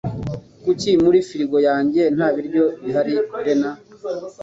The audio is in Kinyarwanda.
Kuki muri firigo yanjye nta biryo bihari? (bena)